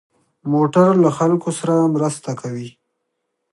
موټر له خلکو سره مرسته کوي.